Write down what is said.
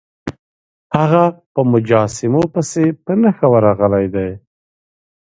هغه په مجسمو پسې په نښه ورغلی دی.